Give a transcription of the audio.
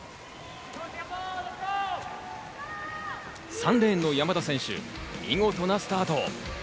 ３レーンの山田選手、見事なスタート。